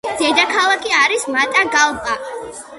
დედაქალაქი არის მატაგალპა.